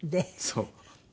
そう。